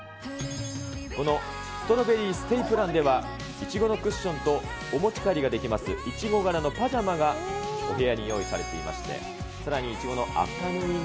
このストロベリーステイプランでは、いちごのクッションと、お持ち帰りができます、いちご柄のパジャマがお部屋に用意されていまして、さらにいちごのアフタヌーン